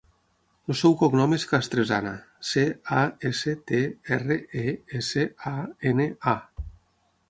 El seu cognom és Castresana: ce, a, essa, te, erra, e, essa, a, ena, a.